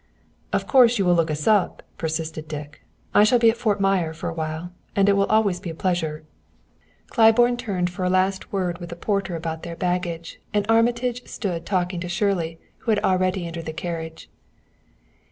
"Of course you will look us up," persisted Dick. "I shall be at Fort Myer for a while and it will always be a pleasure " Claiborne turned for a last word with the porter about their baggage, and Armitage stood talking to Shirley, who had already entered the carriage.